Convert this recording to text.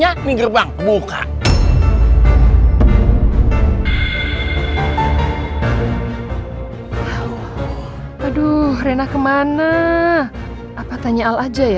mama beliin makanan di kantin ya